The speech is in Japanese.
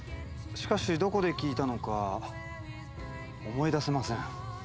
しかしどこで聞いたのか思い出せません。